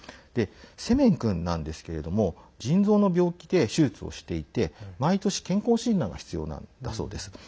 セメン君なんですけれども腎臓の病気で手術をしていて毎年、健康診断が必要なんだそうです。